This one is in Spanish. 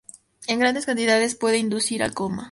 En grandes cantidades puede inducir al coma.